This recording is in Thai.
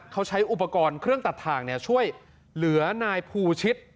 เขาใช้อุปกรณ์เครื่องตัดทางช่วยเหลือนายภูชิต